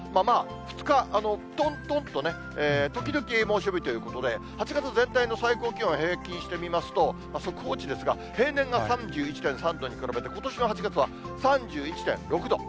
２日、とんとんと時々猛暑日ということで、８月全体の最高気温を平均してみますと、速報値ですが、平年が３１．３度に比べて、ことしの８月は３１．６度。